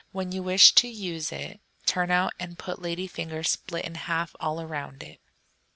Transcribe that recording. When you wish to use it, turn out and put lady fingers split in halves all around it.